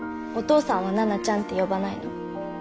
お父さんはナナちゃんって呼ばないの？